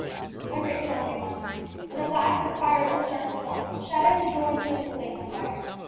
A great storm came on, and at last a fire bolt struck the dwelling, shattering the door, and setting the place on fire.